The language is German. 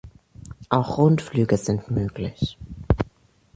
Auch Rundflüge sind möglich.